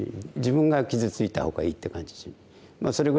自分が傷ついた方がいいって感じします。